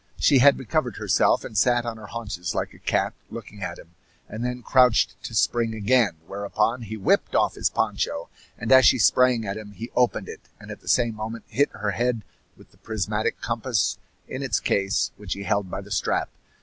She had recovered herself, and sat on her haunches like a cat, looking at him, and then crouched to spring again; whereupon he whipped off his poncho, and as she sprang at him he opened it, and at the same moment hit her head with the prismatic compass in its case which he held by the strap.